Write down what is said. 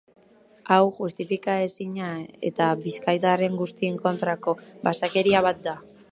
Hau justifikaezina eta bizkaitarren guztien kontrako basakeria bat da.